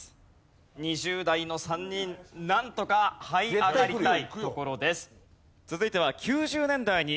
２０代の３人なんとかはい上がりたいところです。